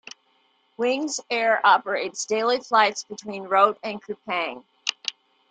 Wings Air Operates daily flights between Rote and Kupang.